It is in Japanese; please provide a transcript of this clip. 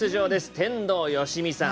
天童よしみさん。